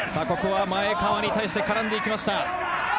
ここは前川に対して絡んでいきました。